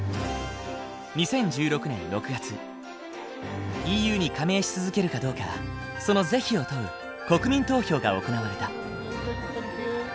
２０１６年６月ＥＵに加盟し続けるかどうかその是非を問う国民投票が行われた。